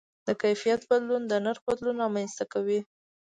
د کیفیت بدلون د نرخ بدلون رامنځته کوي.